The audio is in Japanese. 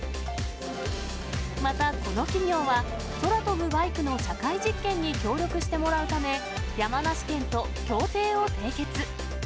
またこの企業は、空飛ぶバイクの社会実験に協力してもらうため、山梨県と協定を締結。